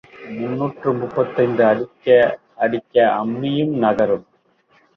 முன்னூற்று முப்பத்தைந்து அடிக்க அடிக்க அம்மியும் நகரும்.